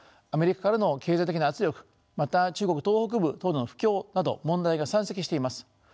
アメリカからの経済的な圧力また中国東北部等の不況など問題が山積しています。